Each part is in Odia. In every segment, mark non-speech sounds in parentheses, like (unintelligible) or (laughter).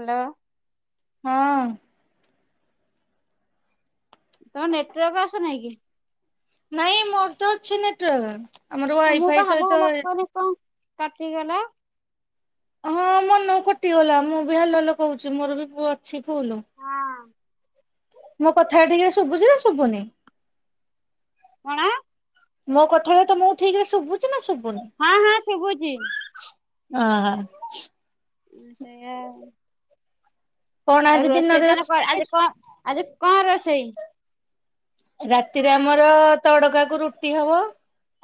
ହାଲୋ। ହଁ। ତମ ନେଟୱାର୍କ ଆସୁନେଇଁ କି? ନାଇଁ ମୋର୍ ତ ଅଛି ନେଟୱାର୍କ, ଆମର କି ମୁଁ ପା ୱାଇଫାଇ ହାଲୋ ସହିତ ହାଲୋ କହନି କଣ କଟିଗଲା। ହଁ ମନକୁ କଟିଗଲା, ମୁଁ ବି ହାଲୋ-ହାଲୋ କହୁଚି ମୋର ବି ଅଛି ଫୁଲୁ। ହଁ ମୋ କଥା (unintelligible) ଶୁଭୁଚି ନା ଶୁଭୁନି? (unintelligible) ମୋ କଥାଟା ତମୁକୁ ଠିକ୍ ରେ ଶୁଭୁଚି ନା ଶୁ ହଁ-ହଁ ଶୁଭୁଚି। (unintelligible) (unintelligible) କଣ ଆଉ ଆଜି ରୋଷେଇ ଦିନରେ (unintelligible) କଣ ଆଜି ହେଇଛି କଣ ଆଜି କଣ ରୋଷେଇ? ରାତିରେ ଆମର ତଡକା କୁ ରୁଟି ହବ।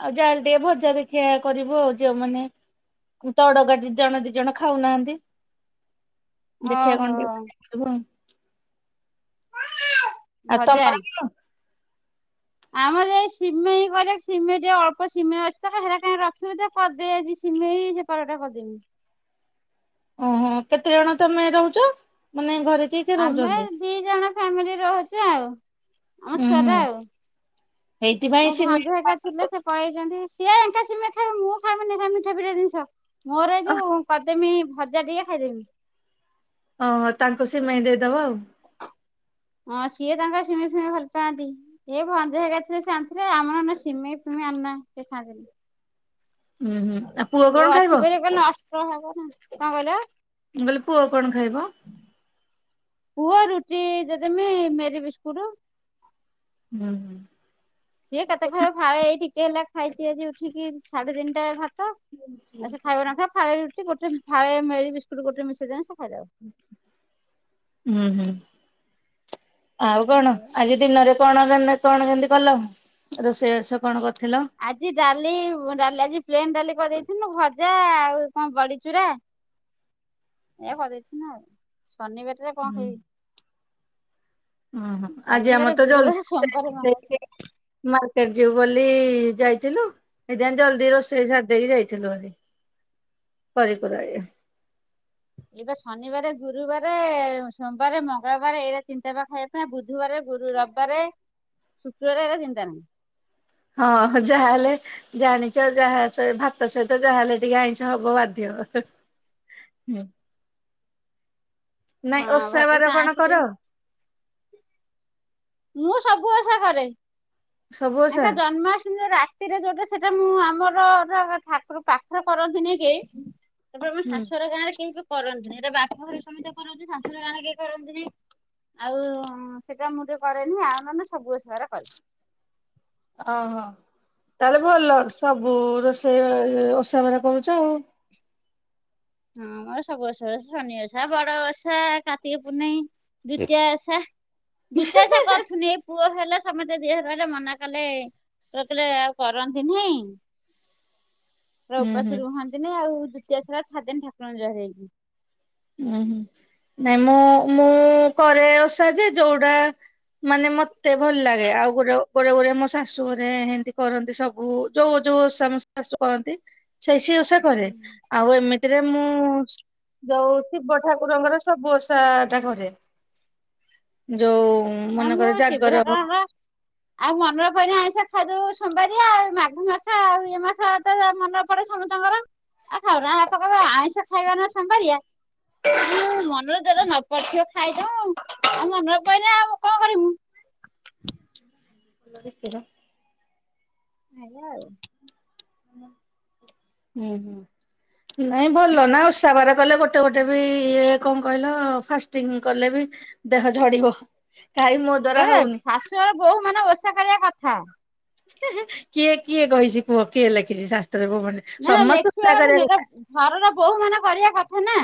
ଆଉ ଯାହେଲେ ଟିକେ ଭଜା ଦେଖିଆ କରିବୁ ଆଉ (unintelligible) ତଡକା (unintelligible) ଜଣେ ଦି ଜଣ ଖାଉନାହାନ୍ତି। ଦେଖିଆ ଓହୋ କଣ ଟିକେ (unintelligible) ଆଉ। ଆଉ ଭଜା। ତମର କଣ? ଆମର ଏ ସିମେଇଁ ଘରେ ସିମେଇଁ ଟିକେ ଅଳ୍ପ ସିମେଇଁ ଅଛି ତ (unintelligible) କାଇଁ ରଖିବୁ କରିଦେ ଆଜି ସିମେଇଁ। ପରଟା (unintelligible) ଓହୋ କେତେ ଜଣ ତମେ ରହୁଚ, ମାନେ ଘରେ (unintelligible) ଆମେ ଦି ଜଣ ଫ୍ୟାମିଲି ରହୁଚୁ ଆଉ, ଆମ ଉୁଁ ହୁଁ ଛୁଆଟା ଆଉ। ସେଇଥିପାଇଁ ମୋ ସିମେଇ ଭଞ୍ଜା ହେରୀକା ଥିଲେ ସେ ପଳେଇଚନ୍ତି, ସିଏ (unintelligible) ସିମେଇଁ ଖାଇବେ ମୁଁ (unintelligible) ସେ ମିଠି-ପିଠା ଜିନିଷ। ମୋର ଏଯୋଉ (unintelligible) ଭଜା ଟିକେ (unintelligible) ଓହୋ, ତାଙ୍କୁ ସିମେଇଁ ଦେଇଦବ ଆଉ। ହଁ, ସିଏ ତାଙ୍କର ସିମେଇଁ-ଫିମେଇଁ ଭଲ୍ ପାଆନ୍ତି। ଏ ଭଞ୍ଜା (unintelligible) ଥିଲେ ସେ ଆଣିଥିଲେ, ଆମର (unintelligible) ସିମେଇଁ-ଫିମେଇଁ (unintelligible) ସେ ହୁଁ ହୁଁ ଆଉ ପୁଅ ଖାଆନ୍ତିନି। ଏ କଣ ଖାଇବ? ଅଛି ବୋଲି (unintelligible) ନଷ୍ଟ ହବ ନା, କଣ କହିଲ? ମୁଁ କହିଲି ପୁଅ କଣ ଖାଇବ? ପୁଅ ରୁଟି ଯେ ଦେମି ମେରି ବିସ୍କୁଟ୍। ହୁଁ ହୁଁ। ସିଏ କେତେ ଖାଇବ ଫାଳେ ଏଇ ଟିକେ ହେଲା ଖାଇଛି ଆଜି ଉଠିକି ସାଢେ ତିନିଟା ବେଳେ ଭାତ। ଆଉ ସେ ଖାଇବ ନଖାଇବ ଫାଳେ ରୁଟି ଗୋଟେ ଫାଳେ ମେରି ବିସ୍କୁଟ୍ ଗୋଟେ ମିଶେଇଦେଲେ ସେ ଖାଇଦବ। ହୁଁ ହୁଁ ଆଉ କଣ ଖାଇଦବ। ଆଜି। ଦିନରେ କଣ ରେନେ କଣ କେମିତି କଲ ରୋଷେଇ ବାସ କଣ କରିଥିଲ? ଆଜି ଡାଲି ଡାଲି ଆଜି ପ୍ଲେନ ଡାଲି କରିଦେଇଥିଲୁ ଭଜା ଆଉ କଣ ବଡିଚୁରା। (inaudible) ଏଇଆ କରିଦେଇଥିଲୁ ଆଉ ଶନିବାର ଟାରେ କଣ ଖାଇବି। ଓହୋ ଆଜି ଶନିବାର ଆମର ତ ଜଲ୍ଦି ଗୁରୁବାର ରୋଷେଇ ସୋମବାର ମଙ୍ଗଳବାର ହେଇଯାଇଛି। ମାର୍କେଟ ଯିବୁ ବୋଲି ଯାଇଥିଲୁ। ସେଇ ଯାଇ ଜଲ୍ଦି ରୋଷେଇ ସାରିଦେଇ ଯାଇଥିଲୁ ଭାରି। ହ (inaudible) କରିପାରେ। (inaudible) ଏବେ ଶନିବାରେ, ଗୁରୁବାରେ, ସୋମବାରେ, ମଙ୍ଗଳବାରେ ଏଇଗୁରା ଚିନ୍ତା ପା ଖାଇଆ। ନା ବୁଧବାରେ, ଗୁରୁ, ରବିବାରେ, ଶୁକ୍ରବାରେ ଏ ଚିନ୍ତା ନାହିଁ। ହଁ ଯାହାହେଲେ। ଜାଣିଛ ଯାହା ସ ଭାତ ସହିତ ଯାହା ହେଲେ ଟିକେ ଆଇଁଷ ହବ ବାଧ୍ୟ। ହୁଁ। ନାଇଁ ହଁ ଓଷା ଭାତରେ ତ ବାର ଆଇଁଷ କଣ ବି କର? ମୁଁ ସବୁ ଓଷା କରେ, ସବୁ ଓଷା? ଏଇଖିଣା ଜନ୍ମାଷ୍ଟମୀ ରେ ଯେଉଁ ରାତ୍। ରାତିରେ ଯୋଉଟା ସେଟା ମୁଁ ଆମର ଠାକୁର ପାଖର କରନ୍ତିନି କେଇ। ତାପରେ ଆମ ହୁଁ। ଶାଶୁୁ ଘର ଗାଁରେ କେହି ବି କରନ୍ତିନି ଏଇଟା ବାପ ଘରେ ସମିତେ କରନ୍ତି ଶାଶୁୁର ଗାଁରେ କେହି କରନ୍ତିନି। ଆଉ ସେଟା ମୁଁ ଟିକେ କରେନି ଆଉ ନହେଲେ ସବୁ ଓଷାଗୁରା କରେ। ଓହୋ ତାହେଲେ ଭଲ ସବୁ ରୋଷେଇ ଓଷା ବାର କରୁଛ ଆଉ। ହଁ ମୋର ସବୁ ଓଷା କରେ ଶନି ଓଷା, ବଡ ଓଷା, କାର୍ତ୍ତିକ ପୂର୍ଣ୍ଣେଇ, ଦ୍ଵିତୀୟ ଓଷା। ଦ୍ୱିତୀୟ ଓଷା କରୁଥୁନି ଏଇ ପୁଅ ହେଲା ସମସ୍ତେ ଦେହ ରହିଲା ମନା କଲେ। ରଖିଲେ ଆଉ କରନ୍ତି ନାହିଁ। ହୁଁ ଓପାସ ହୁଁ। ରୁହନ୍ତିନି ଆଉ ଦିତିଆ ଓଷା ଟା ଛାଡିଦେଲି ଠାକୁରଙ୍କୁ ଜୁଆର ହେଇକି। ଉୁଁ ହୁଁ। ନାଇଁ ମୁଁ ମୁଁ କରେ ଓଷା ଯେ ଯୋଉଟା। ମାନେ ମତେ ଭଲ ଲାଗେ ଆଉ ଗୋଟେ ଗୋଟେ ଗୋଟେ ମୋ ଶାଶୁ ଘରେ ଏମତି କରନ୍ତି ସବୁ। ଯୋଉ ଯୋଉ ଓଷା ମୋ ଶାଶୁ କରନ୍ତି। ସେଇ ସେଇ ଓଷା ହୁଁ। କରେ ଆଉ ଏମିତିରେ ମୁଁ ଯୋଉ ଶିବ ଠାକୁରଙ୍କର। ସବୁ ଓଷା ଟା କରେ। ଯୋଉ ନା ମୁଁ ମନେକର ଶିବ ଜାଗର ହଉ। ଠାକୁରଙ୍କର ଆଉ ମନରେ ପଇଲେ ଆଇଁଷ ଖାଇଦଉ ସୋମବାରିଆ ଆଉ ମାଘ ମାସ ଆଉ ଏ ମାସ ତ ମନର। ଏପଟେ ସମସ୍ତଙ୍କର ଆଉ ଖାଉନା ବାପା କହିବେ ଆଇଁଷ ଖାଇବା ନା ସୋମବାରିଆ। ମନର ଧର ନ ପଡିଥିବ ଖାଇଦଉ ଆଉ ମନର ପହିଲେ ଆଉ। କଣ କରିମୁ। (unintelligible) ହାଲୋ ହୁଁ ହୁଁ। ନାଇଁ ଭଲ ନା ଓଷାବାର କଲେ ଗୋଟେ। ଗୋଟେ ଗୋଟେ ବି ଇଏ କଣ କହିଲ ଫାଷ୍ଟିଂ କଲେ ବି ଦେହ ଝଡିବ। କାଇ ମ (unintelligible) ତବେ ଶାଶୁଘର ବୋହୂ ମାନେ ଓଷା କରିବା କଥା। କିଏ କିଏ କହିଚି କୁହ କିଏ ଲେଖିଚି ଶାସ୍ତ୍ରଭବନେ, ନା ସମସ୍ତେ ଲେଖିବା ଓଷା ନୁହେଁ କରିବା ଏଟା କଥା। ଘରର ବୋହୂ ମାନେ କରିବା କଥା ନା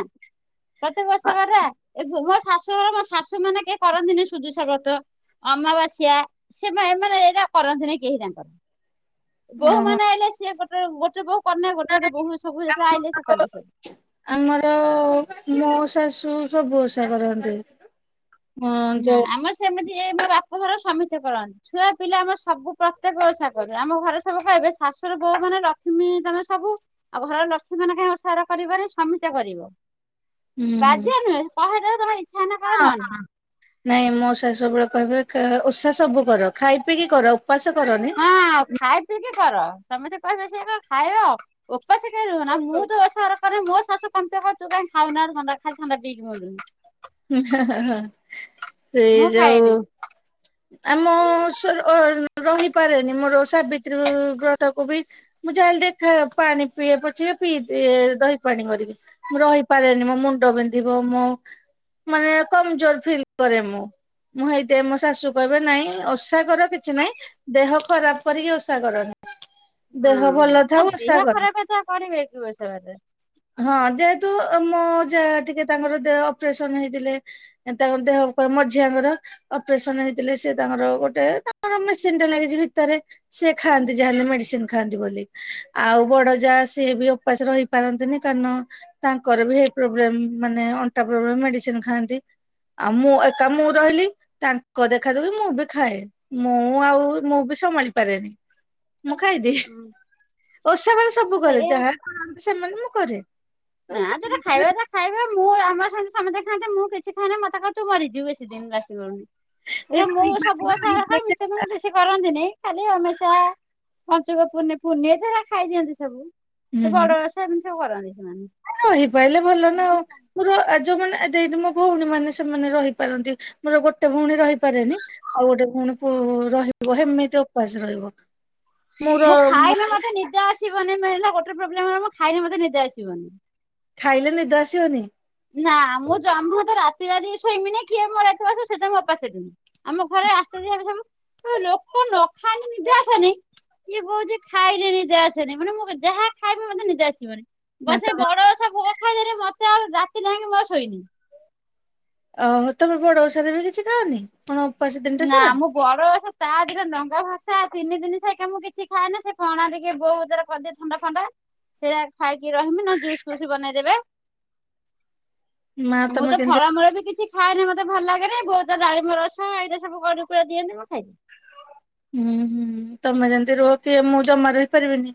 ପ୍ରତିିବର୍ଷ କଥା (unintelligible) ମୋ ଶାଶୁ ଶାଶୁ ଘରେ ମୋ ଶାଶୁ ମାନେ କିଏ କରନ୍ତିନି ସୁଦୁଷାବ୍ରତ। ଅମାବାସ୍ୟା ସେ ଏମାନେ ଏମାନେ ଏଇଟା କରନ୍ତିନି କେହି ତାଙ୍କର। ବହୁ ଓହୋ ମାନେ ଆଇଲେ ସେ ଗୋଟେ ଗୋଟେ ବହୁ କନେ ଗୋଟେ ଗୋଟେ ବହୁ ସବୁ ଆଇଲେ ସେ କଲେ ସବୁ। ଆମର ମୋ ଶାଶୁ ସବୁ ଓଷା କରନ୍ତି। ହଁ ନା ଯୋଉ ଆମର ସେମିତି ଏ ବାପା ଘର ସମୀତେ କରନ୍ତି। ଛୁଆ ପିଲା ଆମର ସବୁ ପ୍ରତ୍ୟେକ ଓଷା କରିବେ ଆମ ଘରେ ସବୁ କହିବେ ଶାଶୁୁର ବୋଉ ମାନେ ଲକ୍ଷ୍ମୀ ତମେ ସବୁ ଆଉ ଘରର ଲକ୍ଷ୍ମୀ ମାନେ କାହିଁ ଓଷା ଗୁରା କରିପାରି ସମୀତେ କରିବ। ହୁଁ ହୁଁ ବାଧ୍ୟ ନୁହେଁ କହିଦେବେ ତମେ ଇଚ୍ଛା ହେଲେ କର ହଁ ନହେଲେ ନାଇଁ। ନାଇଁ ମୋ ଶାଶୁ ସବୁବେଳେ କହିବେ ଓଷା ସବୁ କର ଖାଇ ପିଇକି କର ଉପାସେ କରନି। ପିକି କର ସମତେ କହିବେ ସେ ପା ଖାଇବ ଉପାସେ କେହି ରୁହନା ମୁଁ ତ ମୋ ଶାଶୁ କମ୍ପିବ ତୁ କାଇଁ ଖାଉ ନା ଥଣ୍ଡା ଖାଇ ଥଣ୍ଡା ପିକି ମୁ ସେ ମୁଁ ଯୋଉ ଖାଏନି ଆମ ସେ (unintelligible) ରହିପାରେନି ମୋର ଓଷା ସାବିତ୍ରୀ ବ୍ରଥାକୁ ବି ମୁଁ ଯାହେଲେ ଟିକେ ଖା ପାଣି ପିଏ ପଛିକା ପିଇଦିଏ ଦହି ପାଣି କରିକି। ମୁଁ ରହିପାରେନି ମୋ ମୁଣ୍ଡ ବିନ୍ଧିବ, ମୋ ମାନେ କମଜୋର ଫିଲ୍ କରେ ମୁଁ। ମୁଁ ହେଇଥିପାଇଁ ମୋ ଶାଶୁ କହିବେ ନାଇଁ ଓସା କର କିଛି ନାଇଁ ଦେହ ଖରାପ କରିକି ଓଷା କରନି। ହଁ ଦେହ ଭଲ ନା ଥାଉ ଓଷା ଦେହ କର। ଖରାପ ହେଲେ କରିବେ କି ଓଷା ବାର। ହଁ ଯେହେତୁ ମୋ ଯାଆ ଟିକେ ତାଙ୍କର ଦେ ଅପରେସନ ହେଇଥିଲେ। ଏ ତାଙ୍କ ଦେହ କ ମଝିଆଙ୍କର ଅପରେସନ ହେଇଥିଲେ ସେ ତାଙ୍କର ଗୋଟେ ତାଙ୍କର ମେସିନି ଟେ ଲାଗିଚି ଭିତରେ। ସେ ଖାଆନ୍ତି ଯାହେଲେ ମେଡିସିନ ଖାଆନ୍ତି ବୋଲି। ଆଉ ବଡ ଯାହା ସିଏ ବି ଅ ଉପାସ ରହିପାରନ୍ତିନି କାରଣ ତାଙ୍କର ବି ହେଇ ପ୍ରୋବ୍ଲେମ ମାନେ ଅଣ୍ଟା ପ୍ରୋବଲେମ ମେଡିସିନ ଖାଆନ୍ତି ଆଉ ମୁଁ ଏକା ମୁଁ ରହିଲି ତାଙ୍କ କ ଦେଖାଦେଖି ମୁଁ ବି ଖାଏ ମୁଁ ଆଉ ମୁଁ ବି ସମ୍ଭାଳି ପାରେନି। ମୁଁ ଖାଇଦିଏ ହୁଁ ଓଷା ମାନେ ସବୁ କରେ ସେଇଆ ଯାହା ଖାନ୍ତି ସେମାନେ ମୁଁ କରେ। ମୁଁ ନାଁ ଯୋଟା ଖାଇବି ଖାଇବା କଥା (unintelligible) ଖାଇବ ମୁଁ ଆମର ସାଙ୍ଗ ସମସ୍ତେ ଖାନ୍ତି ମୁଁ କିଛି ଖାଏନି ମତେ କହିବେ ମରିଯିବୁ ବେଶୀ ଦିନି ଲାଷ୍ଟିଙ୍ଗି କରିବୁନି। ଏ (unintelligible) ହୁଁ ମୁଁ ସବୁ ହୁଁ ବଛ ଖ ମି ସେ ମ ବେଶୀ (unintelligible) କରନ୍ତିନି ଖାଲି ଅମ୍ୟାସା ପଞ୍ଚୁକ ପୋନେ ପୁର୍ନି ଦାରା ଖାଇ ଦିଅନ୍ତି ସବୁ। ସେ ବଡ ଓଷା ଏମିତି ସବୁ କରନ୍ତି ସେମାନେ। ରହିପାଇଲେ ଭଲ ନା ଆଉ। ମୋର ଯୋଉମାନେ ମୋ ଭଉଣୀ ମାନେ ସେମାନେ ରହିପାରନ୍ତି ମୋର ଗୋଟେ ଭଉଣୀ ରହିପାରେନି। (unintelligible) ଆଉ ଗୋଟେ ପୁଣି ରହିବ ହେମିତି ଉପାସ ରହିବ। ମୋର ମୁଁ ଖାଇବି ମୋର ମତେ ନିଦେ ଆସିବନି ମେନ୍ ହେଲା ଗୋଟେ ପ୍ରୋବ୍ଲେମ ମୁଁ ଖାଇଲେ ମତେ ନିଦ ଆସିବନି। ଖାଇଲେ ନିିଦ ଆସିବନି? ନା ମୁଁ ଜାମାତ ରାତିରାତିି ଶୋଇମି ନି କିଏ ମରଥିବାସ ସେଟା ମୋ ଉପାସେ ରୁହେନି। (unintelligible) ଆମ ଘରେ ଆଶଯ୍ୟ ଏ ସବୁ କହିବେ ଲୋକ ନ ଖାଇଲେ ନିଧେ ଆସେନି ଇଏ କହୁଛି ଖାଇଲେଣି ଯା ସିଆଡେ ମାନେ ମୁଁ ଯାହା ଖାଇବି ମତେ ନିଦ ଆସିବନି। ମା ବ ସେଇ ତମ ବଡ ଓଷା ଭୋଗ ପାଇଦେଲି ମତେ ଆଉ ରାତି ଯାକେ ମୁଁ ଆଉ ଶୋଇନି। ଓହୋ ତମେ ବଡ ଓଷାରେ ବି କିଛି ଖାଅନି କଣ ଉପାସ ତିନିଟା ନା ସାରା। ମୁଁ ବଡ ଓଷା ତା ଦିନ ଡଙ୍ଗା ଭସା ତିନି ଦିନି ସଇକା ମୁଁ କିଛି ଖାଏନା ସେ ପଣା ଟିକେ ବୋଉ କରିଦିଏ ଥଣ୍ଡା ଫଣ୍ଡା ସେଇଟା ଖାଇକି ରହିବି ନ ହେଲେ ଜୁସ୍ ଫୁସ୍ ବନେଇଦେବେ। ମା (inaudible) ମୁଁ ତମେ ତ କେମିତି ଫଳମୂଳ ବି କିଛି ଖାଏନା ମତେ ଭଲ ଲାଗେନି ବୋଉ ତ ଡାଳିମ୍ବ ରସ ଏଇଟା ସବୁ ଗୋଳେଇକି ଦିଅନ୍ତିି ମୁଁ ଖାଇଦିଏ। ହୁଁ ହୁଁ ତମେ ଯେମତି ରହୁଚି ମୁଁ ଜମା ରହିପାରିବିନି।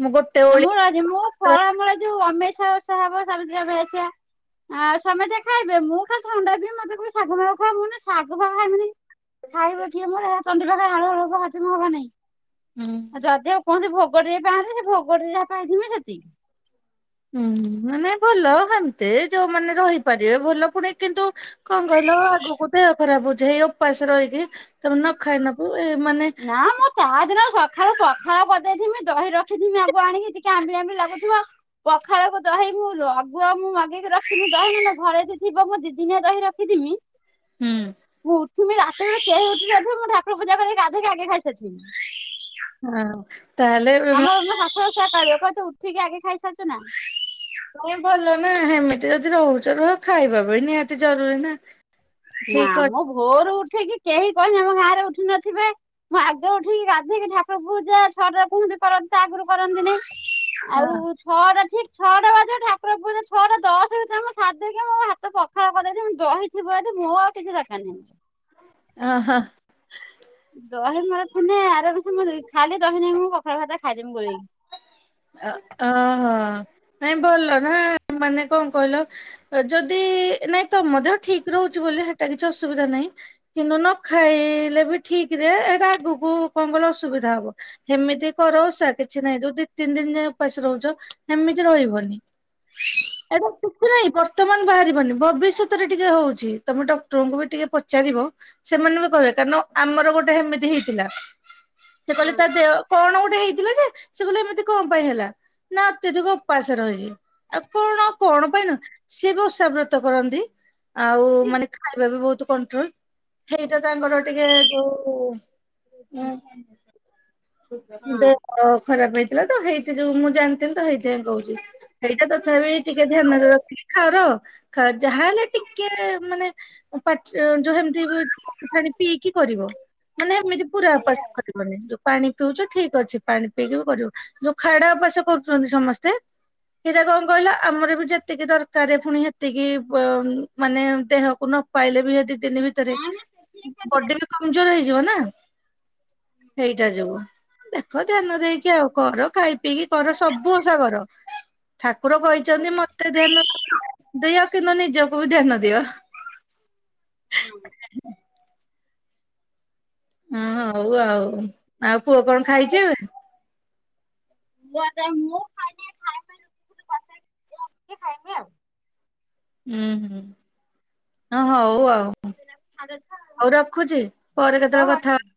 ମୁଁ ଗୋଟେ ନା ଓଳି ମୁଁ ଆଜି ମୁଁ ଫଳମୂଳ ଯୋଉ ଅମେଇଷା ଓଷା ହବ ସାବିତ୍ରୀ ଅମାବାସ୍ୟା। ଆଉ ସମେତେ ଖାଇବେ ମୁଁ ଖାଲି ଥଣ୍ଡା ପିଇବି ମତେ କହିବେ ସାଗୁ ମାଗୁ ଖା ମୁଁ କହିବି ସାଗୁ ମାଗୁ ଖାଇବିନି। ଖାଇବ କିଏ ମୋର ସେରା ତଣ୍ଟି ପାଖରେ ହାଳୁ ହାଳୁ ହଜମ ହବନି। ହୁଁ। ଯଦି ବା କୁହନ୍ତି ଭୋଗ ଟିକେ ପାନ୍ତି ସେ ଭୋଗ ଟିକେ ଯାହା ପାଇଥିବି ସେତିକି। ହୁଁ ନାଇ ଭଲ ହେମତି ଯୋଉମାନେ ରହିପାରିବେ ଭଲ ପୁଣି କିନ୍ତୁ କଣ କହିଲ ଆଗକୁ ଦେହ ଖରାପ ହଉଛି ଏଇ ଉପାସ ରହିକି ତମ ଖାଇ ନବୁ ଏ ମାନେ। ନା ମୁଁ ତା ଦିନକୁ ସକାଳୁ ପଖାଳ କରିଦେଇଥିମି ଦହି ରଖିଥିମି ଆଗୁଆ ଆଣିକି ଟିକେ ଆମ୍ବିଳା ଆମ୍ବିଳା ଲାଗୁଥିବ। ପଖାଳକୁ ଦହି ମୁୁ ଆଗୁଆ ମୁଁ ମାଗିକି ରଖି ଦହି ନା ଘରେ ଥିବ ମୁଁ ଦିଦିନିଆ ଦହି ରଖିଥିମି। ମୁଁ ଉଠିବି ଆଗେ କେହି ଉଠିନଥିବେ ମୁଁ ଠାକୁର ପୂଜା କରି ଗା ଉଠିକି ଆଗେ ଖାଇସାରିଥିବି। ହଁ। ତାହେଲେ ଆମର ହସ ହସ କଥା କହିବେ ଉଠିକି ଆଗେ ଖାଇସାରିଛୁ ନା। ନାଇଁ ଭଲ ନା ସେମିତି ଯଦି ରହୁଛ ରୁହ ଖାଇବା ବି ନିହାତି ଜରୁରୀ ନା। ଠିକ ନାଆମ ଅଛି ଭୋରୁ ଉଠିକି କେହି କହିଲେ ଆମ ଗାଁରେ ଉଠି ନଥିବେ। ମୁଁ ଆଗେ ଉଠିକି ଗାଧେଇକି ଠାକୁର ପୂଜା ଛଅଟାରେ କୁହନ୍ତି କରନ୍ତି ତାପରେ କରନ୍ତିନି। ଆଉ ଛଅଟା ଠିକ ଛଅଟା ବାଜିବ ଠାକୁର ପୂଜା ଛଅଟା ଦଶ ଭିତରେ ମୁଁ ସାରିଦେଇକି ମୋ ହାତ ପ ପଖାଳ କରିଦେଇଥିବ ଦହିଥିବ ଯଦି ମୁଁ ଆଉ କିଛି ଦରକାର ନାହିଁ। ଓହୋ। ଦହି ମୋର ଥିନେ ଆରମ ସେ ଖାଲି ଦହି ନଗେଇକି ମୁଁ ପଖାଳ ଭାତ ଖାଇଦେମି ଗୋଳେଇକି। ଅହୋ ନାଇଁ ଭଲ ନା ମାନେ କଣ କହିଲ? ଯଦି ନାଇଁ ତମ ଦେହ ଠିକ ରହୁଛି ବୋଲି ସେଟା କିଛି ଅସୁବିଧା ନାହିଁ। କିନ୍ତୁ ନ ଖାଇଲେ ବି ଠିକରେ ଏଇଟା ଆଗକୁ କଣ କହିଲ ଅସୁବିଧା ହବ। ଏମିତି କର ଓଷା କିଛି ନାହିଁ ଯଦି ତିନି ଦିନ ଯାଏ ଉପାସ ରହୁଛ ଏମିତି ରହିବନି। (inaudible) ଏବେ କିଛି ନାହିଁ ବର୍ତ୍ତମାନ ବାହାରିବନି ଭବିଷ୍ୟତରେ ଟିକେ ହଉଛି ତମେ ଡକ୍ଟରଙ୍କୁ ବି ଟିକେ ପଚାରିବ। ସେମାନେ ବି କହିବେ କାରଣ ଆମର ଗୋଟେ ସେମିତି ହେଇଥିଲା। ସେ କହିଲେ ହଁ ତା ଦେହ କଣ ଗୋଟେ ହେଇଥିଲା ଯେ ସେ କହିଲା ମତେ। କଣ ପାଇଁ ହେଲା ନା ଅତ୍ୟଧିକ ଉପାସେ ରହିଲେ। ଆଉ କଣ କଣ ପାଇଁନ ସିଏ ପା ଓଷାବ୍ରତ କରନ୍ତି। ଆଉ ମାନେ ଖାଇବା ବି ବହୁତ କଣ୍ଟ୍ରୋଲ। ସେଇଟା ତାଙ୍କର ଟିକେ ଯୋଉ ଉଁ ହୁଁ। ହଁ ଦେହ ଖରାପ ହେଇଥିଲା ତ ହେଇଥି ଯୋଉ ମୁଁ ଜାଣିଥିଲି ତ ହେଇଥି ପାଇଁ କହୁଛି। ଏଇଟା ତଥାପି ଟିକେ ଧ୍ୟାନରେ ରଖିକି କର ଯାହା ହେଲେ ଟିକେ ମାନେ। ଯୋଉ ସେମିତି ପାଣି ଫାଣୀ ପିଇକି କରିବ। ମାନେ ଏମିତି ପୁରା ସେଇଆ ଉପାସ କରିବନି ଯୋଉ ପାଣି ପିଉଛୁ ଠିକ ଅଛି ପାଣି ପିଇକି ବି କରିବ। ଯୋଉ ଖାଡା ଉପାସ କରୁଛନ୍ତି ସମସ୍ତେ? ସେଇଟା କଣ କହିଲ ଆମର ବି ଯେତିକି ଦରକାର ପୁଣି ସେତିକି ମାନେ ଦେହକୁ ନ ପାଇଲେବି ଏ ଦି ଦିନି ଭିତରେ ହଁ ନା ସେଠି ବଡି ବି କମଜୋର ହେଇଯିବ ନା। ସେଇଟା ଯୋଗୁ ଦେଖ ଧ୍ୟାନ ଦେଇକି ଆଉ। କର ଖାଇ ପିଇକି କର ସବୁ ଓଷା କର। ଠାକୁର କହିଛନ୍ତି ଏକାଥରେ। ମତେ ଧ୍ୟାନ ଦିଅ କିନ୍ତୁ ନିଜକୁ ବି ଧ୍ୟାନ ଦିଅ। ହୁଁ। ହଁ ହଉ ଆଉ। ଆଉ ପୁଅ କଣ ଖାଇଛ? କ୍ୱା ଦାଏ ମୁଁ। ଖାଇନି ଖାଇ ଖାଇ ଖାଇମି ଆଉ। ହୁଁ ହୁଁ। ହଁ ହଉ ଆଉ। ହଉ ରଖୁଛି ପରେ ହଉ କେତେବେଳେ ହଉ କଥା ହବା।